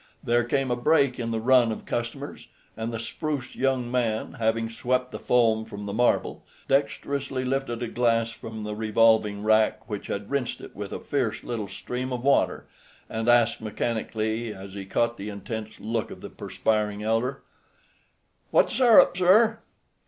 There came a break in the run of customers, and the spruce young man, having swept the foam from the marble, dexterously lifted a glass from the revolving rack which had rinsed it with a fierce little stream of water, and asked mechanically, as he caught the intense look of the perspiring elder, "What syrup, sir?"